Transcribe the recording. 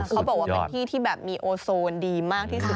เขาบอกว่าเป็นที่ที่แบบมีโอโซนดีมากที่สุด